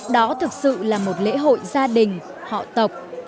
đó thực sự là một lễ hội gia đình họ tộc